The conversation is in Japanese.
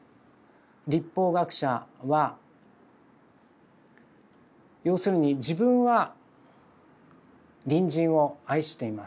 律法学者は要するに「自分は隣人を愛しています」。